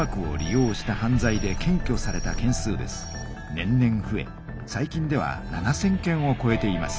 年々ふえ最近では７，０００件をこえています。